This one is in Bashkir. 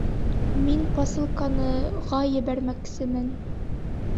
Мин посылканы...-ға ебәрмәксемен